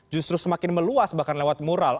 justru semakin meluas bahkan lewat mural